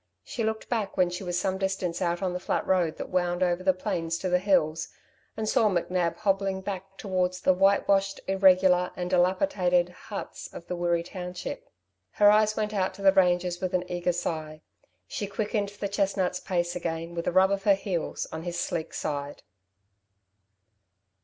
She looked back when she was some distance out on the flat road that wound over the plains to the hills, and saw McNab hobbling back towards the whitewashed irregular and dilapidated huts of the Wirree township. Her eyes went out to the ranges with an eager sigh. She quickened the chestnut's pace again with a rub of her heels on his sleek side.